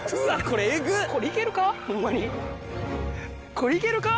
これ行けるか？